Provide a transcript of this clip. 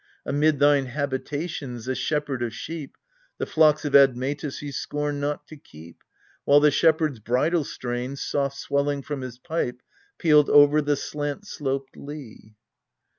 Amid thine habitations, a shepherd of sheep, The flocks of Admetus he scorned not to keep, While the shepherds' bridal strains, soft swelling From his pipe, pealed over the slant sloped lea.